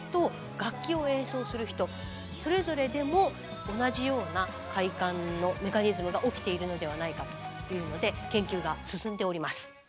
楽器を演奏する人それぞれでも同じような快感のメカニズムが起きているのではないかというので研究が進んでおります。